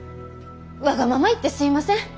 わがまま言ってすいません。